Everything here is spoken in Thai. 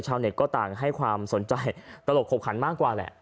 เน็ตก็ต่างให้ความสนใจตลกขบขันมากกว่าแหละ